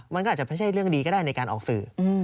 มันก็อาจจะไม่ใช่เรื่องดีก็ได้ในการออกสื่อ